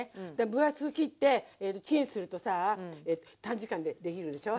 分厚く切ってえっとチンするとさあ短時間でできるでしょ。